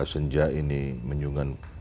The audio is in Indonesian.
sejak ini menyumbang